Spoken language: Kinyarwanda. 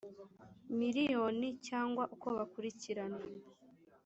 miliyoni cyangwa uko bakurikirana